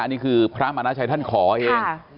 นี่คือพระมณชัยท่านขอเอง